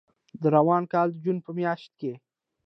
د روان کال د جون په میاشت کې